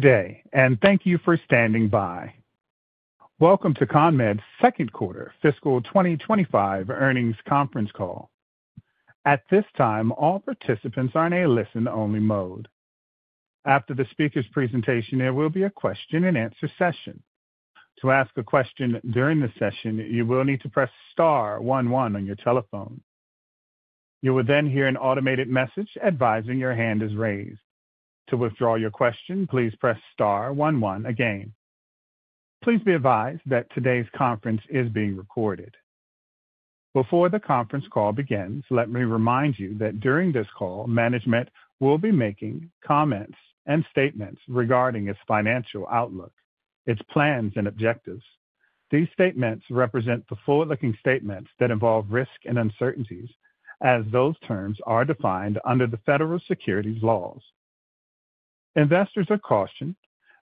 Today, and thank you for standing by. Welcome to CONMED Corporation's Second Quarter Fiscal 2025 Earnings Conference Call. At this time, all participants are in a listen-only mode. After the speaker's presentation, there will be a question and answer session. To ask a question during the session, you will need to press star one one on your telephone. You will then hear an automated message advising your hand is raised. To withdraw your question, please press star one one again. Please be advised that today's conference is being recorded. Before the conference call begins, let me remind you that during this call, management will be making comments and statements regarding its financial outlook, its plans, and objectives. These statements represent the forward-looking statements that involve risk and uncertainties, as those terms are defined under the Federal Securities Laws. Investors are cautioned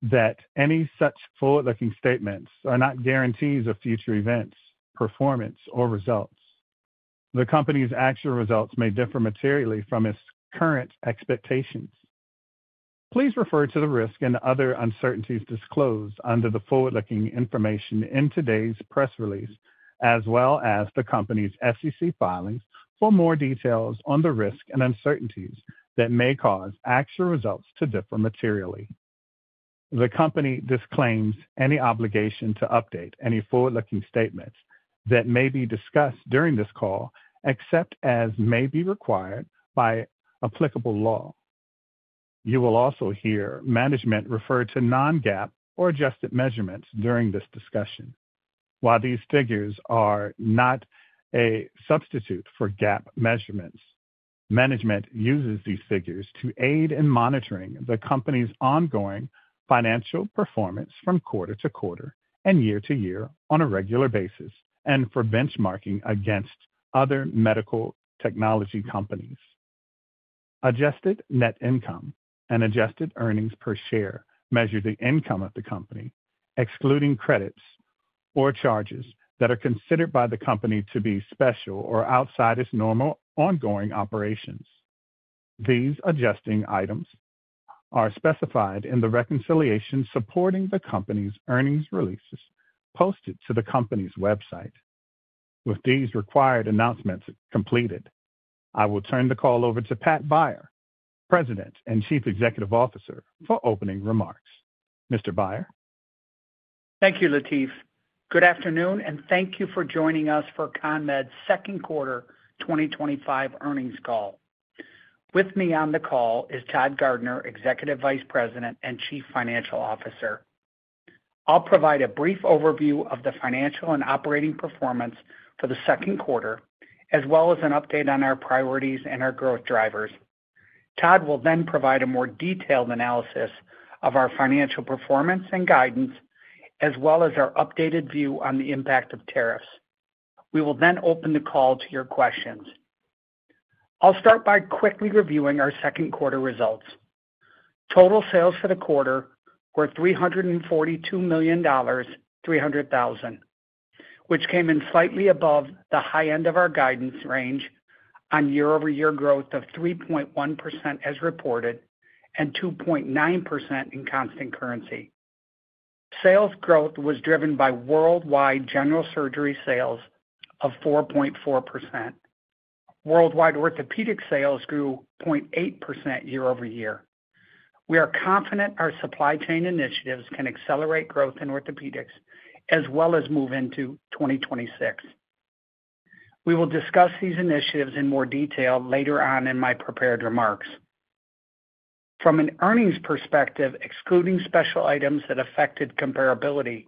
that any such forward-looking statements are not guarantees of future events, performance, or results. The company's actual results may differ materially from its current expectations. Please refer to the risk and other uncertainties disclosed under the forward-looking information in today's press release, as well as the company's SEC filings for more details on the risk and uncertainties that may cause actual results to differ materially. The company disclaims any obligation to update any forward-looking statements that may be discussed during this call, except as may be required by applicable law. You will also hear management refer to non-GAAP or adjusted measurements during this discussion. While these figures are not a substitute for GAAP measurements, management uses these figures to aid in monitoring the company's ongoing financial performance from quarter-to-quarter and year-to-year on a regular basis and for benchmarking against other medical technology companies. Adjusted net income and adjusted earnings per share measure the income of the company, excluding credits or charges that are considered by the company to be special or outside its normal ongoing operations. These adjusting items are specified in the reconciliation supporting the company's earnings releases posted to the company's website. With these required announcements completed, I will turn the call over to Pat Beyer, President and Chief Executive Officer, for opening remarks. Mr. Beyer. Thank you, Latif. Good afternoon, and thank you for joining us for CONMED's Second Quarter 2025 Earnings Call. With me on the call is Todd Garner, Executive Vice President and Chief Financial Officer. I'll provide a brief overview of the financial and operating performance for the second quarter, as well as an update on our priorities and our growth drivers. Todd will then provide a more detailed analysis of our financial performance and guidance, as well as our updated view on the impact of tariffs. We will then open the call to your questions. I'll start by quickly reviewing our second quarter results. Total sales for the quarter were $342.3 million, which came in slightly above the high end of our guidance range on year-over-year growth of 3.1% as reported and 2.9% in constant currency. Sales growth was driven by worldwide general surgery sales of 4.4%. Worldwide orthopedic sales grew 0.8% year-over-year. We are confident our supply chain initiatives can accelerate growth in orthopedics as well as move into 2026. We will discuss these initiatives in more detail later on in my prepared remarks. From an earnings perspective, excluding special items that affected comparability,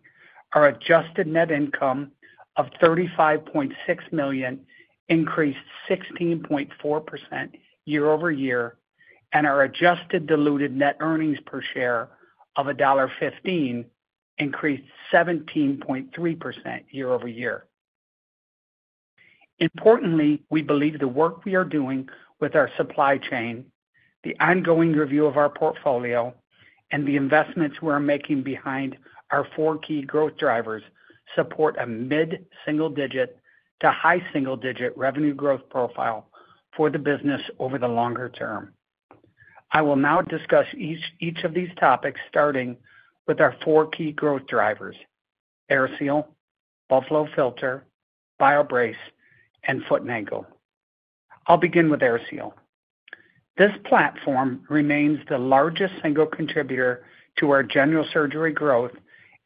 our adjusted net income of $35.6 million increased 16.4% year-over-year and our adjusted diluted EPS of $1.15 increased 17.3% year-over-year. Importantly, we believe the work we are doing with our supply chain, the ongoing review of our portfolio, and the investments we're making behind our four key growth drivers support a mid-single-digit to high single-digit revenue growth profile for the business over the longer term. I will now discuss each of these topics, starting with our four key growth drivers: AirSeal, Buffalo Filter, BioBrace, and CONMED Foot & Ankle products. I'll begin with AirSeal. This platform remains the largest single contributor to our general surgery growth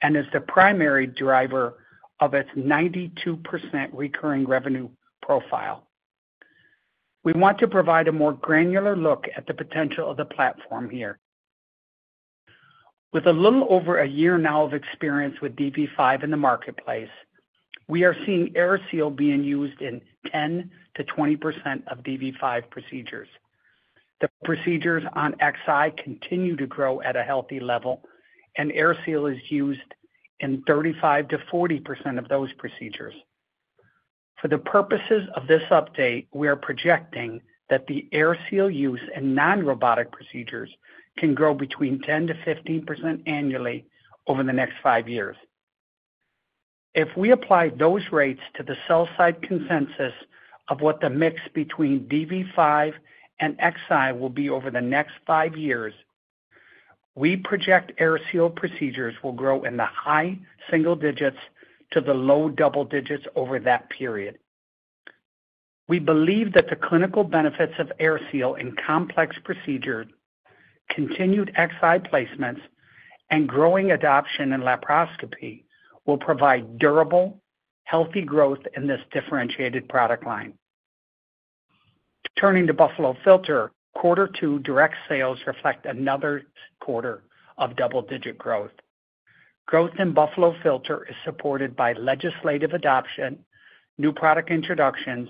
and is the primary driver of its 92% recurring revenue profile. We want to provide a more granular look at the potential of the platform here. With a little over a year now of experience with DV5 in the marketplace, we are seeing AirSeal being used in 10%-20% of DV5 procedures. The procedures on XI continue to grow at a healthy level, and AirSeal is used in 35%-40% of those procedures. For the purposes of this update, we are projecting that the AirSeal use in non-robotic procedures can grow between 10%-15% annually over the next five years. If we apply those rates to the sell-side consensus of what the mix between DV5 and XI will be over the next five years, we project AirSeal procedures will grow in the high single digits to the low double digits over that period. We believe that the clinical benefits of AirSeal in complex procedures, continued XI placements, and growing adoption in laparoscopy will provide durable, healthy growth in this differentiated product line. Turning to Buffalo Filter, quarter two direct sales reflect another quarter of double-digit growth. Growth in Buffalo Filter is supported by legislative adoption, new product introductions,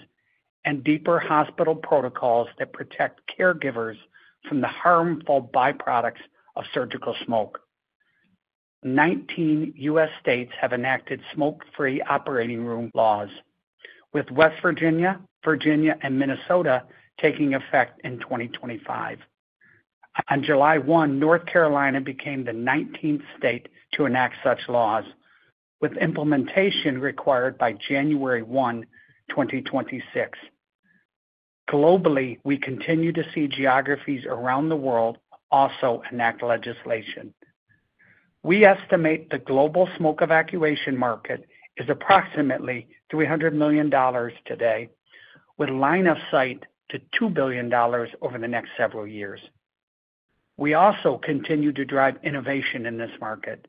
and deeper hospital protocols that protect caregivers from the harmful byproducts of surgical smoke. 19 U.S. states have enacted smoke-free operating room laws, with West Virginia, Virginia, and Minnesota taking effect in 2025. On July 1, North Carolina became the 19th state to enact such laws, with implementation required by January 1, 2026. Globally, we continue to see geographies around the world also enact legislation. We estimate the global smoke evacuation market is approximately $300 million today, with line-of-sight to $2 billion over the next several years. We also continue to drive innovation in this market.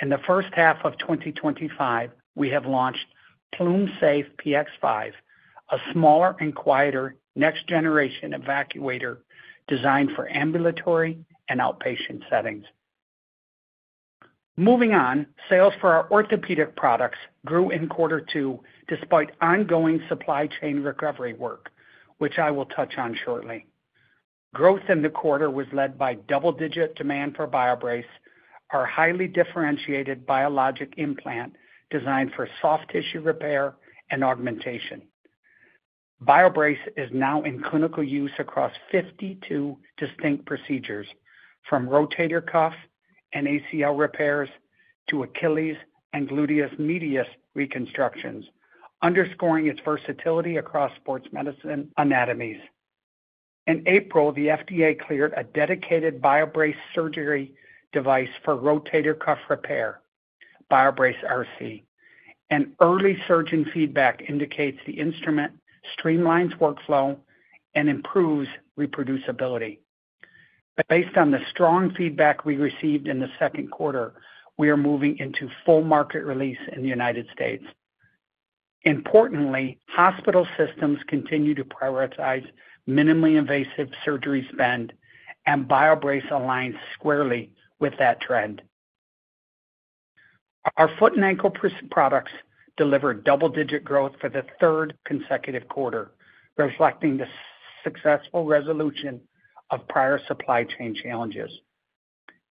In the first half of 2025, we have launched PlumeSafe PX5, a smaller and quieter next-generation evacuator designed for ambulatory and outpatient settings. Moving on, sales for our orthopedic products grew in quarter two despite ongoing supply chain recovery work, which I will touch on shortly. Growth in the quarter was led by double-digit demand for BioBrace, our highly differentiated biologic implant designed for soft tissue repair and augmentation. BioBrace is now in clinical use across 52 distinct procedures, from rotator cuff and ACL repairs to Achilles and gluteus medius reconstructions, underscoring its versatility across sports medicine anatomies. In April, the FDA cleared a dedicated BioBrace surgery device for rotator cuff repair, BioBrace RC. Early surgeon feedback indicates the instrument streamlines workflow and improves reproducibility. Based on the strong feedback we received in the second quarter, we are moving into full market release in the United States. Importantly, hospital systems continue to prioritize minimally invasive surgery spend, and BioBrace aligns squarely with that trend. Our CONMED Foot & Ankle products delivered double-digit growth for the third consecutive quarter, reflecting the successful resolution of prior supply chain challenges.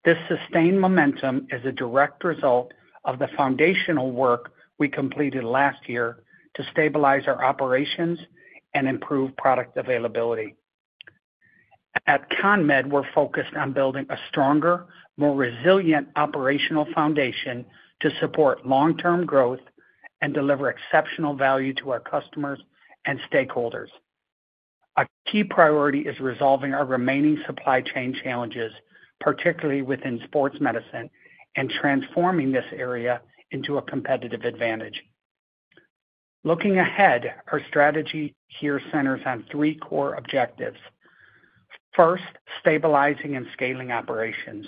This sustained momentum is a direct result of the foundational work we completed last year to stabilize our operations and improve product availability. At CONMED, we're focused on building a stronger, more resilient operational foundation to support long-term growth and deliver exceptional value to our customers and stakeholders. A key priority is resolving our remaining supply chain challenges, particularly within sports medicine, and transforming this area into a competitive advantage. Looking ahead, our strategy here centers on three core objectives. First, stabilizing and scaling operations.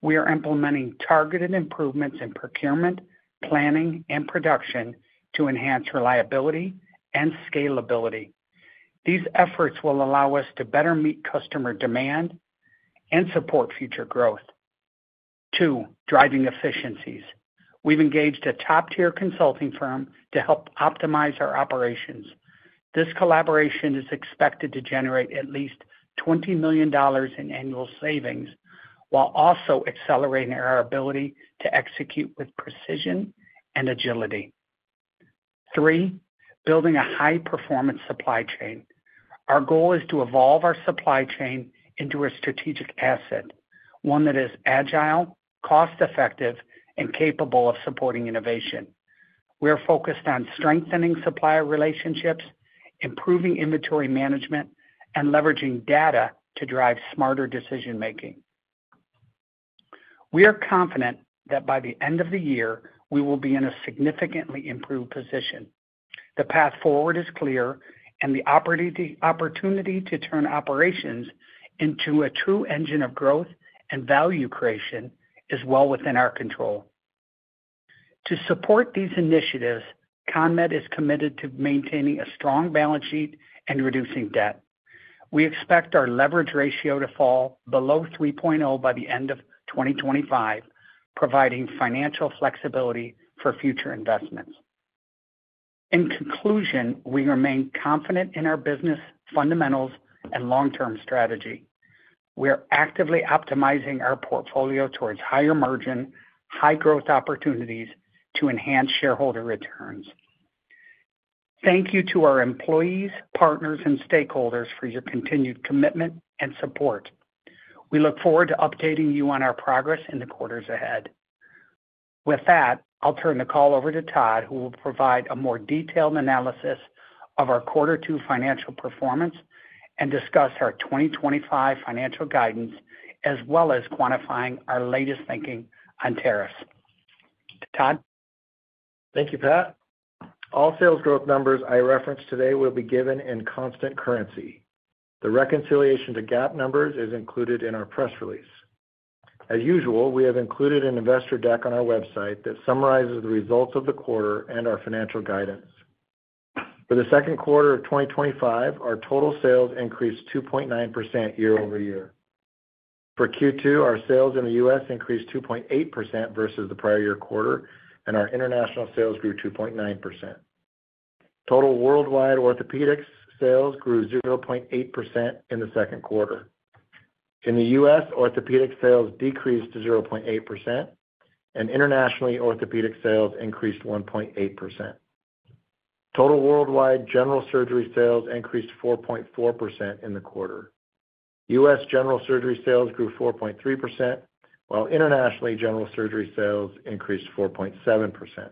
We are implementing targeted improvements in procurement, planning, and production to enhance reliability and scalability. These efforts will allow us to better meet customer demand and support future growth. Two, driving efficiencies. We've engaged a top-tier consulting firm to help optimize our operations. This collaboration is expected to generate at least $20 million in annual savings while also accelerating our ability to execute with precision and agility. Three, building a high-performance supply chain. Our goal is to evolve our supply chain into a strategic asset, one that is agile, cost-effective, and capable of supporting innovation. We are focused on strengthening supplier relationships, improving inventory management, and leveraging data to drive smarter decision-making. We are confident that by the end of the year, we will be in a significantly improved position. The path forward is clear, and the opportunity to turn operations into a true engine of growth and value creation is well within our control. To support these initiatives, CONMED is committed to maintaining a strong balance sheet and reducing debt. We expect our leverage ratio to fall below 3.0 by the end of 2025, providing financial flexibility for future investments. In conclusion, we remain confident in our business fundamentals and long-term strategy. We are actively optimizing our portfolio towards higher margin, high growth opportunities to enhance shareholder returns. Thank you to our employees, partners, and stakeholders for your continued commitment and support. We look forward to updating you on our progress in the quarters ahead. With that, I'll turn the call over to Todd, who will provide a more detailed analysis of our quarter two financial performance and discuss our 2025 financial guidance, as well as quantifying our latest thinking on tariffs. Todd? Thank you, Pat. All sales growth numbers I referenced today will be given in constant currency. The reconciliation to GAAP numbers is included in our press release. As usual, we have included an investor deck on our website that summarizes the results of the quarter and our financial guidance. For the second quarter of 2025, our total sales increased 2.9% year-over-year. For Q2, our sales in the U.S. increased 2.8% versus the prior year quarter, and our international sales grew 2.9%. Total worldwide orthopedics sales grew 0.8% in the second quarter. In the U.S., orthopedic sales decreased to 0.8%, and internationally, orthopedic sales increased 1.8%. Total worldwide general surgery sales increased 4.4% in the quarter. U.S. general surgery sales grew 4.3%, while internationally, general surgery sales increased 4.7%.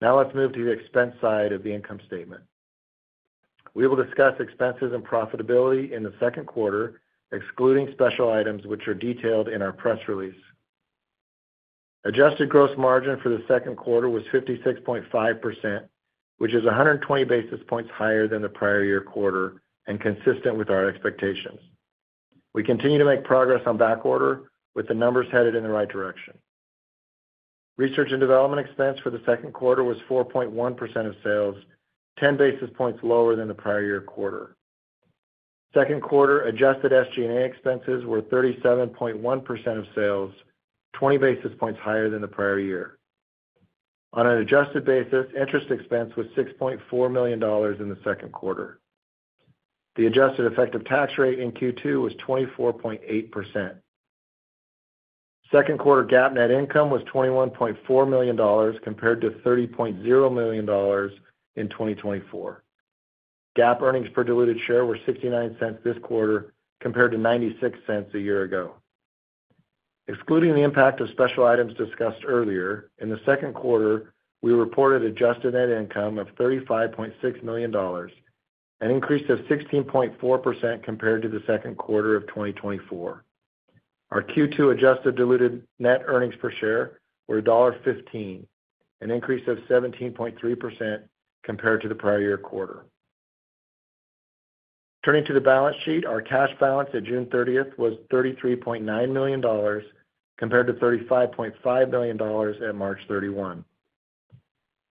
Now let's move to the expense side of the income statement. We will discuss expenses and profitability in the second quarter, excluding special items, which are detailed in our press release. Adjusted gross margin for the second quarter was 56.5%, which is 120 basis points higher than the prior year quarter and consistent with our expectations. We continue to make progress on back order with the numbers headed in the right direction. Research and development expense for the second quarter was 4.1% of sales, 10 basis points lower than the prior year quarter. Second quarter adjusted SG&A expenses were 37.1% of sales, 20 basis points higher than the prior year. On an adjusted basis, interest expense was $6.4 million in the second quarter. The adjusted effective tax rate in Q2 was 24.8%. Second quarter GAAP net income was $21.4 million compared to $30.0 million in 2024. GAAP earnings per diluted share were $0.69 this quarter compared to $0.96 a year ago. Excluding the impact of special items discussed earlier, in the second quarter, we reported adjusted net income of $35.6 million, an increase of 16.4% compared to the second quarter of 2024. Our Q2 adjusted diluted net earnings per share were $1.15, an increase of 17.3% compared to the prior year quarter. Turning to the balance sheet, our cash balance at June 30th was $33.9 million compared to $35.5 million at March 31.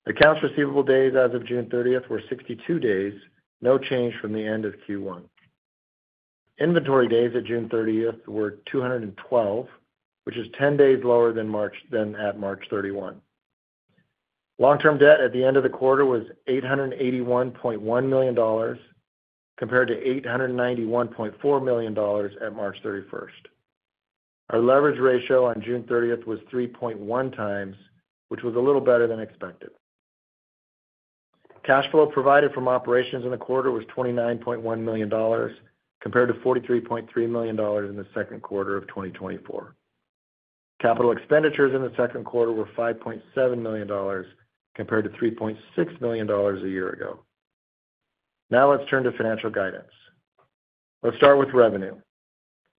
Accounts receivable days as of June 30th were 62 days, no change from the end of Q1. Inventory days at June 30th were 212, which is 10 days lower than March 31. Long-term debt at the end of the quarter was $881.1 million compared to $891.4 million at March 31st. Our leverage ratio on June 30th was 3.1x, which was a little better than expected. Cash flow provided from operations in the quarter was $29.1 million compared to $43.3 million in the second quarter of 2024. Capital expenditures in the second quarter were $5.7 million compared to $3.6 million a year ago. Now let's turn to financial guidance. Let's start with revenue.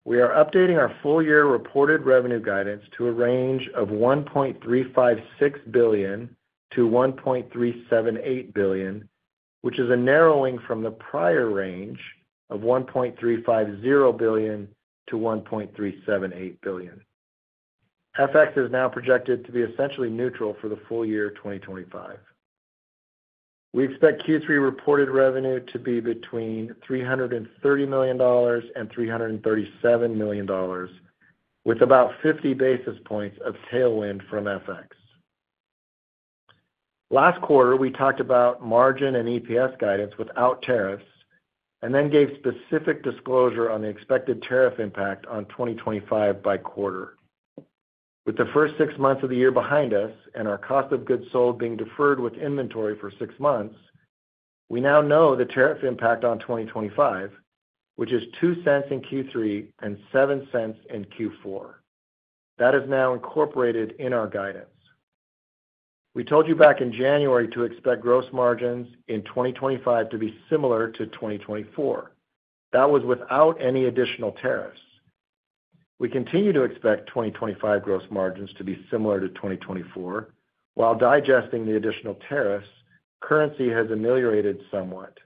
We are updating our full-year reported revenue guidance to a range of $1.356 billion-$1.378 billion, which is a narrowing from the prior range of $1.350 billion-$1.378 billion. FX is now projected to be essentially neutral for the full year 2025. We expect Q3 reported revenue to be between $330 million and $337 million, with about 50 basis points of tailwind from FX. Last quarter, we talked about margin and EPS guidance without tariffs and then gave specific disclosure on the expected tariff impact on 2025 by quarter. With the first six months of the year behind us and our cost of goods sold being deferred with inventory for six months, we now know the tariff impact on 2025, which is $0.02 in Q3 and $0.07 in Q4. That is now incorporated in our guidance. We told you back in January to expect gross margins in 2025 to be similar to 2024. That was without any additional tariffs. We continue to expect 2025 gross margins to be similar to 2024. While digesting the additional tariffs, currency has ameliorated somewhat.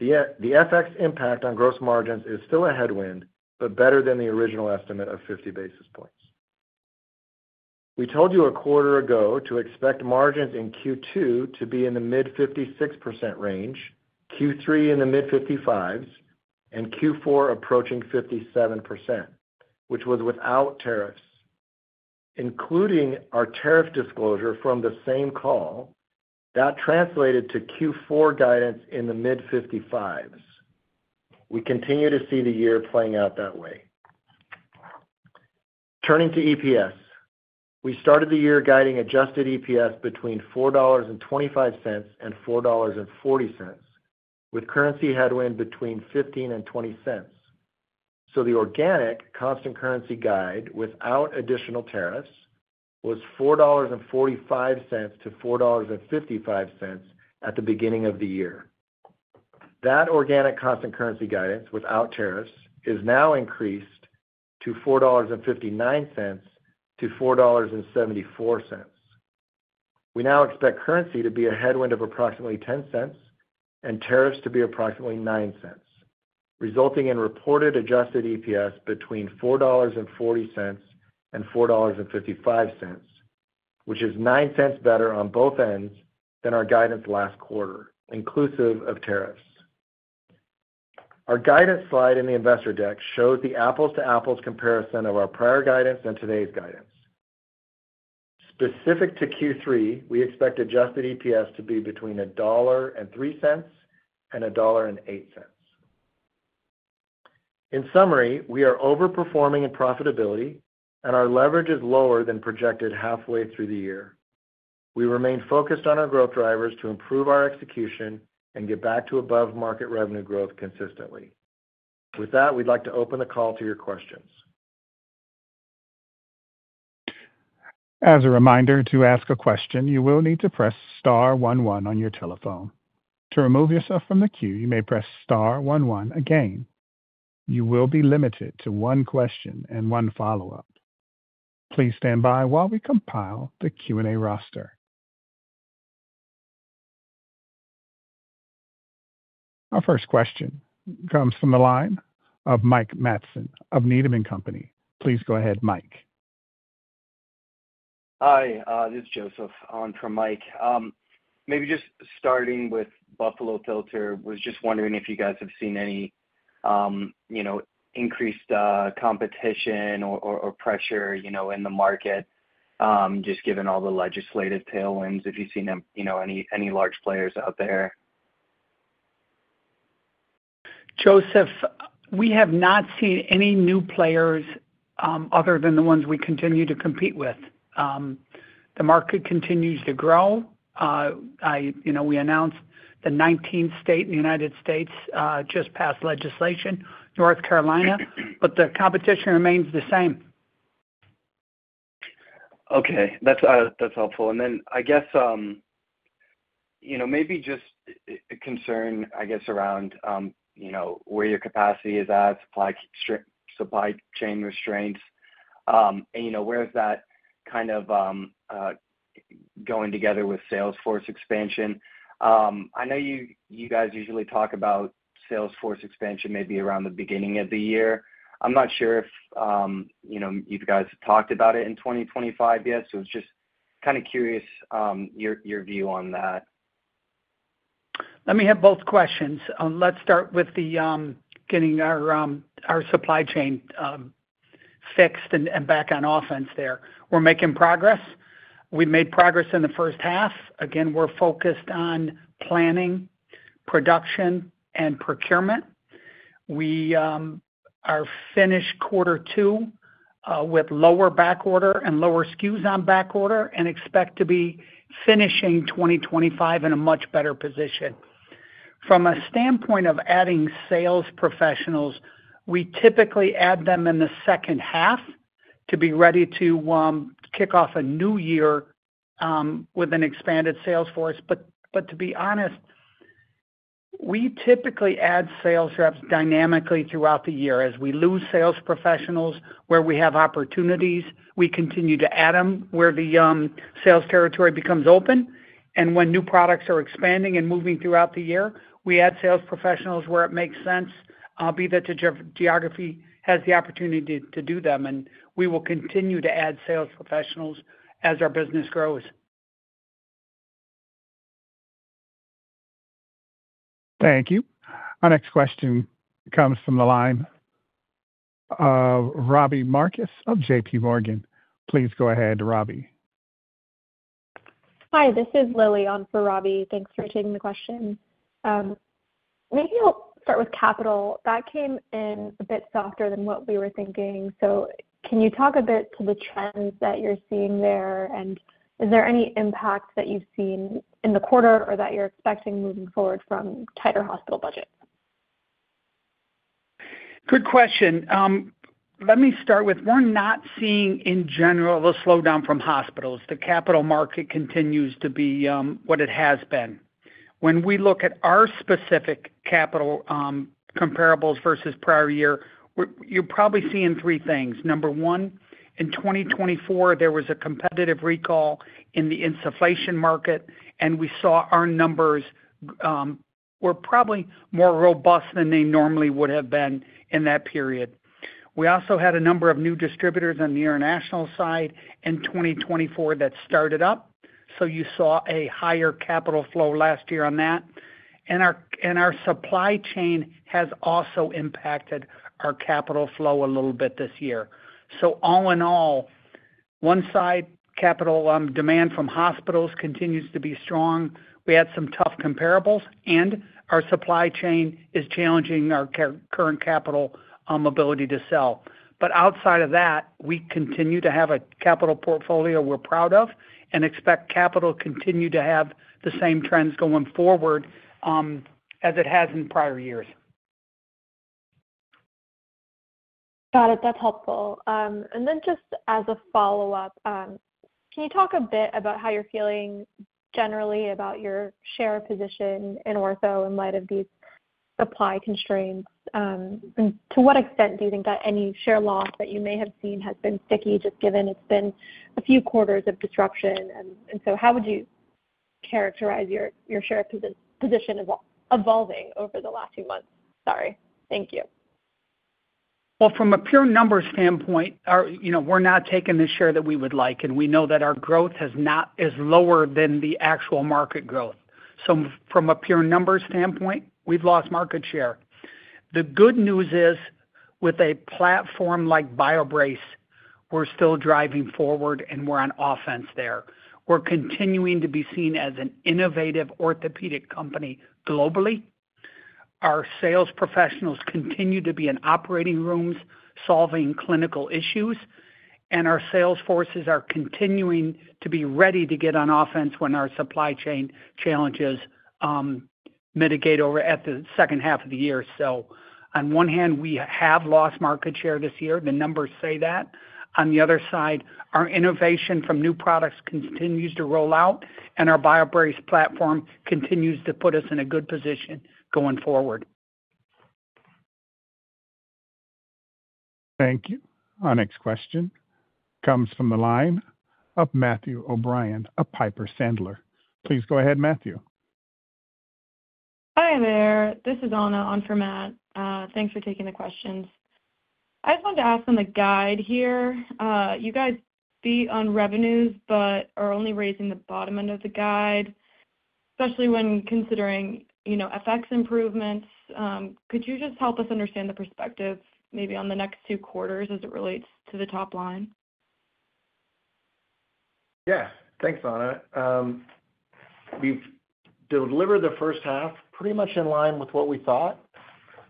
The FX impact on gross margins is still a headwind, but better than the original estimate of 50 basis points. We told you a quarter ago to expect margins in Q2 to be in the mid-56% range, Q3 in the mid-55% range, and Q4 approaching 57%, which was without tariffs. Including our tariff disclosure from the same call, that translated to Q4 guidance in the mid-55% range. We continue to see the year playing out that way. Turning to EPS, we started the year guiding adjusted EPS between $4.25 and $4.40, with currency headwind between $0.15 and $0.20. The organic constant currency guide without additional tariffs was $4.45-$4.55 at the beginning of the year. That organic constant currency guidance without tariffs is now increased to $4.59-$4.74. We now expect currency to be a headwind of approximately $0.10 and tariffs to be approximately $0.09, resulting in reported adjusted EPS between $4.40 and $4.55, which is $0.09 better on both ends than our guidance last quarter, inclusive of tariffs. Our guidance slide in the investor deck shows the apples-to-apples comparison of our prior guidance and today's guidance. Specific to Q3, we expect adjusted EPS to be between $1.03 and $1.08. In summary, we are overperforming in profitability, and our leverage is lower than projected halfway through the year. We remain focused on our growth drivers to improve our execution and get back to above-market revenue growth consistently. With that, we'd like to open the call to your questions. As a reminder, to ask a question, you will need to press star one one on your telephone. To remove yourself from the queue, you may press star one one again. You will be limited to one question and one follow-up. Please stand by while we compile the Q&A roster. Our first question comes from the line of Joseph of Needham & Company. Please go ahead, Joseph. Hi, this is Joseph on for Mike. Maybe just starting with Buffalo Filter, was just wondering if you guys have seen any increased competition or pressure in the market, just given all the legislative tailwinds, if you've seen them, any large players out there. Joseph, we have not seen any new players other than the ones we continue to compete with. The market continues to grow. You know, we announced the 19th state in the United States just passed legislation, North Carolina, but the competition remains the same. Okay, that's helpful. I guess, you know, maybe just a concern around where your capacity is at, supply chain restraints, and where is that kind of going together with Salesforce expansion. I know you guys usually talk about Salesforce expansion maybe around the beginning of the year. I'm not sure if you guys have talked about it in 2025 yet. It's just kind of curious your view on that. Let me have both questions. Let's start with getting our supply chain fixed and back on offense there. We're making progress. We made progress in the first half. Again, we're focused on planning, production, and procurement. We finished quarter two with lower back order and lower SKUs on back order and expect to be finishing 2025 in a much better position. From a standpoint of adding sales professionals, we typically add them in the second half to be ready to kick off a new year with an expanded sales force. To be honest, we typically add sales reps dynamically throughout the year. As we lose sales professionals where we have opportunities, we continue to add them where the sales territory becomes open. When new products are expanding and moving throughout the year, we add sales professionals where it makes sense, be that the geography has the opportunity to do them. We will continue to add sales professionals as our business grows. Hi, this is Lilia-Celine Breton Lozada on for Robbie Marcus. Thanks for taking the question. Maybe I'll start with capital. That came in a bit softer than what we were thinking. Can you talk a bit to the trends that you're seeing there? Is there any impact that you've seen in the quarter or that you're expecting moving forward from tighter hospital budgets? Good question. Let me start with we're not seeing, in general, the slowdown from hospitals. The capital market continues to be what it has been. When we look at our specific capital comparables versus prior year, you're probably seeing three things. Number one, in 2024, there was a competitive recall in the insufflation market, and we saw our numbers were probably more robust than they normally would have been in that period. We also had a number of new distributors on the international side in 2024 that started up. You saw a higher capital flow last year on that. Our supply chain has also impacted our capital flow a little bit this year. All in all, one side, capital demand from hospitals continues to be strong. We had some tough comparables, and our supply chain is challenging our current capital mobility to sell. Outside of that, we continue to have a capital portfolio we're proud of and expect capital to continue to have the same trends going forward as it has in prior years. Got it. That's helpful. As a follow-up, can you talk a bit about how you're feeling generally about your share position in ortho in light of these supply constraints? To what extent do you think that any share loss that you may have seen has been sticky, just given it's been a few quarters of disruption? How would you characterize your share position evolving over the last few months? Sorry. Thank you. From a pure numbers standpoint, you know, we're not taking the share that we would like, and we know that our growth is lower than the actual market growth. From a pure numbers standpoint, we've lost market share. The good news is, with a platform like BioBrace, we're still driving forward, and we're on offense there. We're continuing to be seen as an innovative orthopedic company globally. Our sales professionals continue to be in operating rooms solving clinical issues, and our sales forces are continuing to be ready to get on offense when our supply chain challenges mitigate over at the second half of the year. On one hand, we have lost market share this year. The numbers say that. On the other side, our innovation from new products continues to roll out, and our BioBrace platform continues to put us in a good position going forward. Thank you. Our next question comes from the line of Anna of Piper Sandler. Please go ahead, Anna. Hi there. This is Anna on for Matt. Thanks for taking the questions. I just wanted to ask on the guide here, you guys beat on revenues, but are only raising the bottom end of the guide, especially when considering FX improvements. Could you just help us understand the perspective maybe on the next two quarters as it relates to the top line? Yes. Thanks, Anna. We've delivered the first half pretty much in line with what we thought.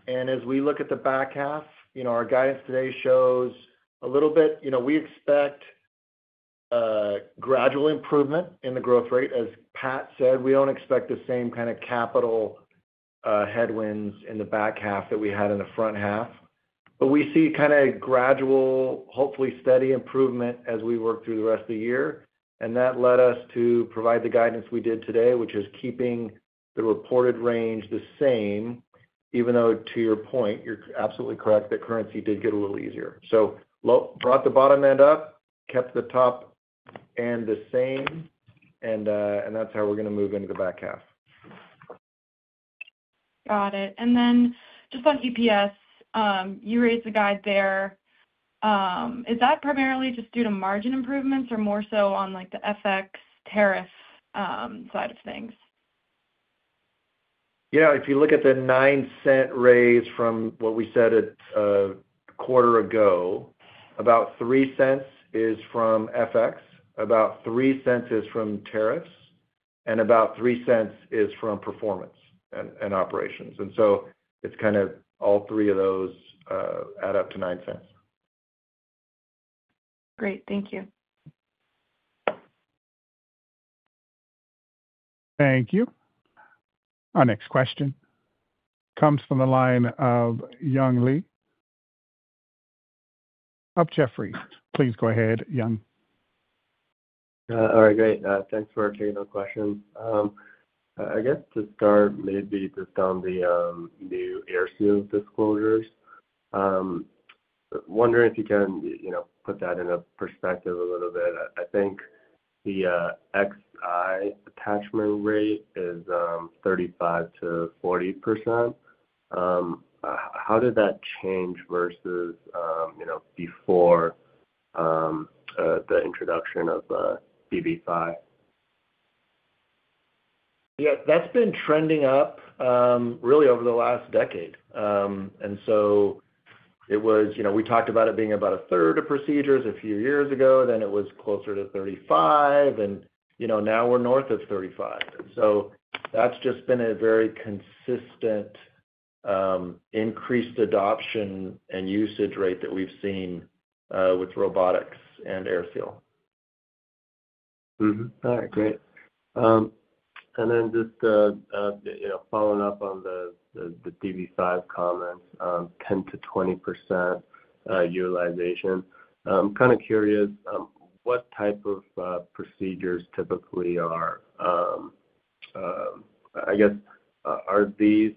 As we look at the back half, our guidance today shows a little bit, you know, we expect a gradual improvement in the growth rate. As Pat said, we don't expect the same kind of capital headwinds in the back half that we had in the front half. We see kind of gradual, hopefully steady improvement as we work through the rest of the year. That led us to provide the guidance we did today, which is keeping the reported range the same, even though to your point, you're absolutely correct that currency did get a little easier. Brought the bottom end up, kept the top end the same, and that's how we're going to move into the back half. Got it. On EPS, you raised the guide there. Is that primarily just due to margin improvements or more so on the FX tariff side of things? If you look at the $0.09 raise from what we said a quarter ago, about $0.03 is from FX, about $0.03 is from tariffs, and about $0.03 is from performance and operations. It's kind of all three of those add up to $0.09. Great. Thank you. Thank you. Our next question comes from the line of Young Li of Jefferies. Please go ahead, Young. All right. Great. Thanks for taking those questions. I guess to start, maybe just on the new AirSeal disclosures, wondering if you can put that in a perspective a little bit. I think the XI attachment rate is 35% to 40%. How did that change vs. before the introduction of DV5? That's been trending up really over the last decade. It was, you know, we talked about it being about a third of procedures a few years ago. It was closer to 35%. Now we're north of 35%. That's just been a very consistent increased adoption and usage rate that we've seen with robotics and AirSeal. All right. Great. Just, you know, following up on the DV5 comments, 10%-20% utilization. I'm kind of curious what type of procedures typically are, I guess, are these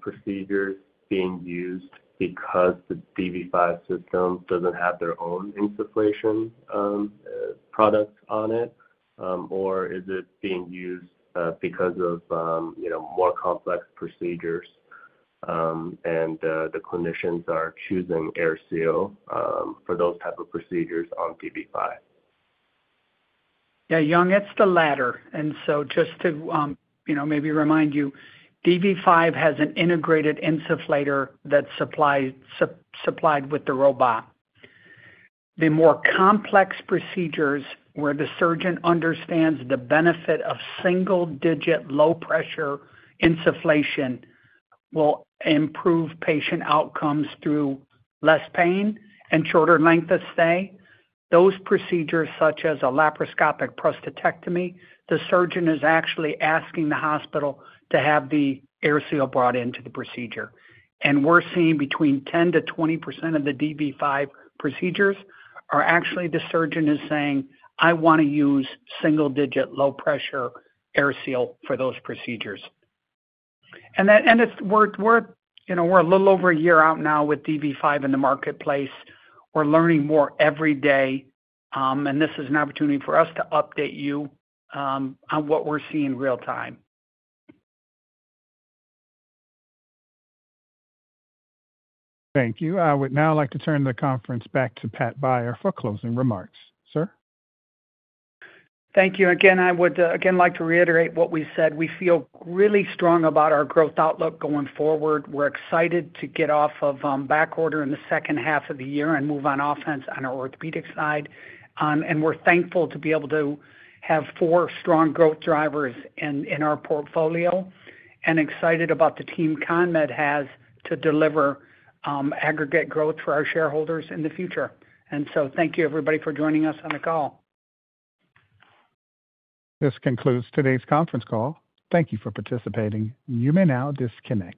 procedures being used because the DV5 system doesn't have their own insufflation products on it, or is it being used because of, you know, more complex procedures and the clinicians are choosing AirSeal for those types of procedures on DV5? Yeah. Young, it's the latter. Just to, you know, maybe remind you, DV5 has an integrated insufflator that's supplied with the robot. The more complex procedures where the surgeon understands the benefit of single-digit low-pressure insufflation will improve patient outcomes through less pain and shorter length of stay. Those procedures, such as a laparoscopic prostatectomy, the surgeon is actually asking the hospital to have the AirSeal brought into the procedure. We're seeing between 10%-20% of the DV5 procedures are actually the surgeon is saying, "I want to use single-digit low-pressure AirSeal for those procedures." It's worth, you know, we're a little over a year out now with DV5 in the marketplace. We're learning more every day, and this is an opportunity for us to update you on what we're seeing real time. Thank you. I would now like to turn the conference back to Pat Beyer for closing remarks, sir. Thank you. I would like to reiterate what we said. We feel really strong about our growth outlook going forward. We're excited to get off of back order in the second half of the year and move on offense on our orthopedic side. We're thankful to be able to have four strong growth drivers in our portfolio and excited about the team CONMED has to deliver aggregate growth for our shareholders in the future. Thank you, everybody, for joining us on the call. This concludes today's conference call. Thank you for participating. You may now disconnect.